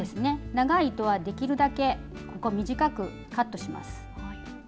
長い糸はできるだけ短くカットします。